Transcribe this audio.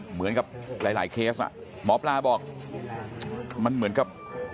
เหมือนกับหลายเคสอ่ะหมอปลาบอกมันเหมือนกับ